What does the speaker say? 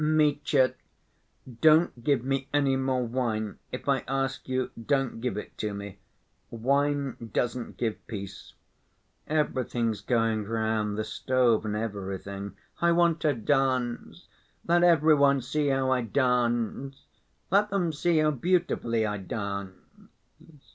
"Mitya, don't give me any more wine—if I ask you, don't give it to me. Wine doesn't give peace. Everything's going round, the stove, and everything. I want to dance. Let every one see how I dance ... let them see how beautifully I dance...."